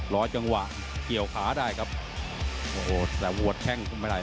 รอจังหวะเกี่ยวขาได้ครับโอ้แต่โวรดแข้งทุ่งให้ไทย